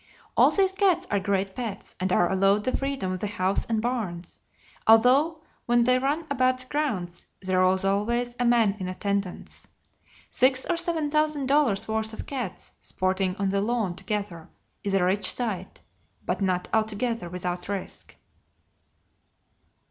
All these cats are great pets, and are allowed the freedom of the house and barns, although when they run about the grounds there is always a man in attendance. Six or seven thousand dollars' worth of cats sporting on the lawn together is a rich sight, but not altogether without risk.